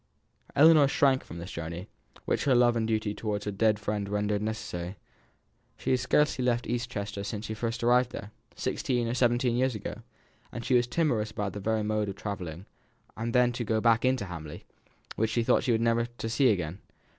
Ellinor shrank from this journey, which her love and duty towards her dead friend rendered necessary. She had scarcely left East Chester since she first arrived there, sixteen or seventeen years ago, and she was timorous about the very mode of travelling; and then to go back to Hamley, which she thought never to have seen again!